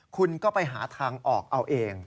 คุณก็ไปหาทางออกเอาเอง